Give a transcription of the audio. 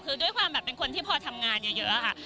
คือด้วยความแบบเป็นคนที่พอทำงานเยอะค่ะ